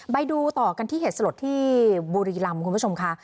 ไปดูต่อกันที่เหตุสลดที่บุรีรำคุณผู้ชมค่ะ